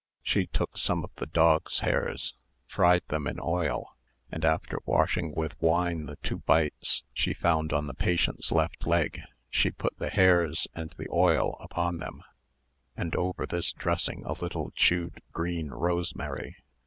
She took some of the dogs' hairs, fried them in oil, and after washing with wine the two bites she found on the patient's left leg, she put the hairs and the oil upon them, and over this dressing a little chewed green rosemary.